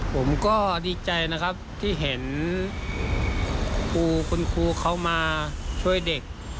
ผมก็ดีใจนะครับที่เห็นครูคุณครูเขามาช่วยเด็ก